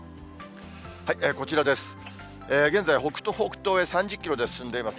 こちらです。